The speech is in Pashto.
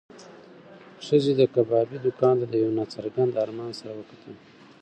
ښځې د کبابي دوکان ته د یو نا څرګند ارمان سره وکتل.